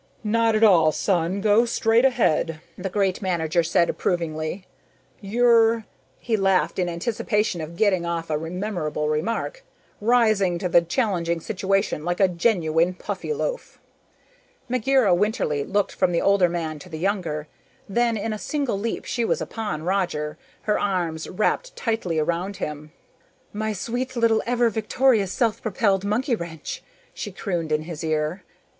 "Not at all, son; go straight ahead," the great manager said approvingly. "You're" he laughed in anticipation of getting off a memorable remark "rising to the challenging situation like a genuine Puffyloaf." Megera Winterly looked from the older man to the younger. Then in a single leap she was upon Roger, her arms wrapped tightly around him. "My sweet little ever victorious, self propelled monkey wrench!" she crooned in his ear.